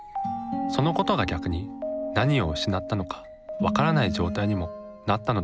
そのことが逆に何を失ったのか分からない状態にもなったのだという。